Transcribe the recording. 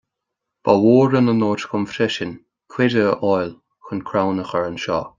Ba mhór an onóir dom fresin cuireadh a fháil chun crann a chur anseo.